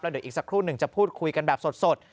เดี๋ยวอีกสักครู่หนึ่งจะพูดคุยกันแบบสด